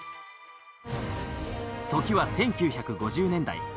時は１９５０年代。